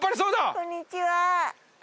こんにちは。